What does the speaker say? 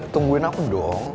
tungguin aku dong